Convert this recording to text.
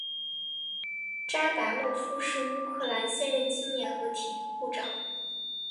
扎达诺夫是乌克兰现任青年和体育部长。